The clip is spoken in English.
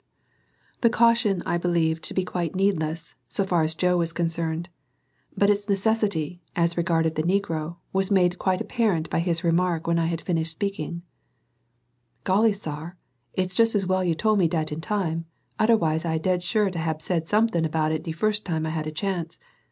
The caution I believed to be quite needless, so far as Joe was concerned; but its necessity, as regarded the negro, was made quite apparent by his remark when I had finished speaking "Golly, sar; it just as well you tole me dat in time, odderwise I dead sure to hab said someting about it de fust time I had a chance.